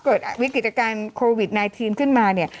เกิดวิกฤตการณ์โควิด๑๙ขึ้นมาเนี่ย